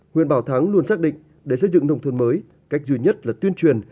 huyện bảo thắng luôn xác định để xây dựng nông thôn mới cách duy nhất là tuyên truyền